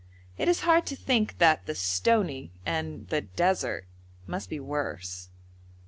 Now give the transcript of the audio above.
It is hard to think that 'the Stony' and 'the Desert' must be worse.